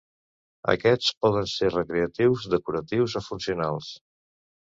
Aquests poden ser recreatius, decoratius o funcionals.